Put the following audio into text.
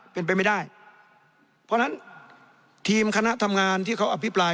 เป็นไปไม่ได้เพราะฉะนั้นทีมคณะทำงานที่เขาอภิปราย